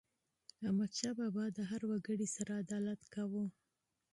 احمدشاه بابا به د هر وګړي سره عدالت کاوه.